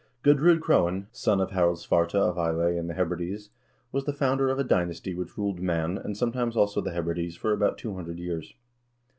Gudr0d Crowan, son of Harald Svarte of Islay and the Hebrides, was the founder of a dynasty which ruled Man, and sometimes, also, the Hebrides for about two hundred years.